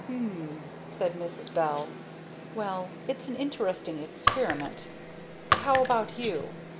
"M'm!" said Mrs. Bell. "Well, it's an interesting experiment. But how about you?